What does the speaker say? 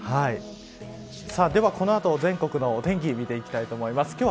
ではこの後、全国のお天気見ていきたいと思います。